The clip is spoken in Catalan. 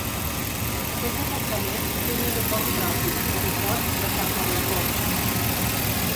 Aquest departament té un aeroport propi, l'aeroport de Tacuarembó.